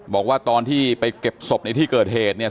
บอกว่าตอนที่ไปเก็บศพในที่เกิดเหตุเนี่ย